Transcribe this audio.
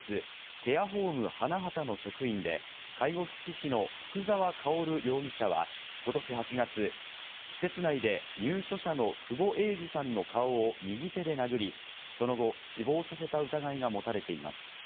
ケアホーム花畑の職員で、介護福祉士の福沢薫容疑者はことし８月、施設内で入所者の久保栄治さんの顔を右手で殴り、その後、死亡させた疑いが持たれています。